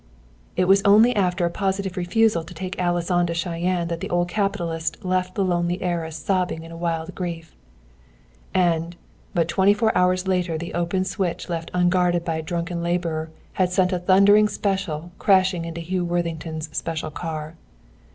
It was only after a positive refusal to take Alice on to Cheyenne that the old capitalist left the lonely heiress sobbing in a wild grief. And but twenty four hours later the open switch left unguarded by a drunken laborer had sent a thundering special crashing into Hugh Worthington's special car.